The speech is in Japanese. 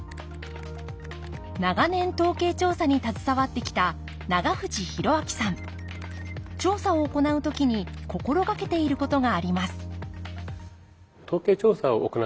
長年統計調査に携わってきた調査を行う時に心掛けていることがあります